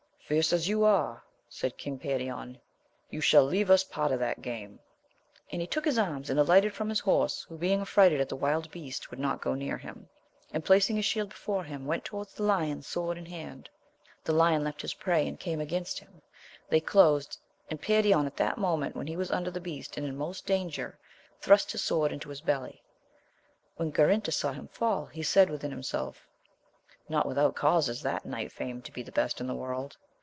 Fierce as you are, said King Perion, you shall leave us part of the game ! and he took his arms and alighted from his horse, who being affrighted at the wild beast would not go near him, and placing his shield before him went towards the lion sword in hand. The lion left his prey and came against Mm, they closed, and Perion at the moment when he was under the beast and in most danger, thrust his sword into his belly. When Garinter saw him fall, he said within himself not without cause is that knight famed to be the best in the world.